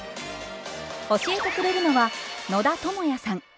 教えてくれるのは野田智也さん。